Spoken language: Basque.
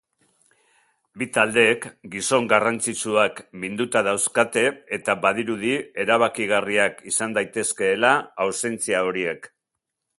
Bi taldeek gizon garrantzitsuak minduta dauzkate eta badirudi erabakigarriak izan daitezkeela ausentzia horiek.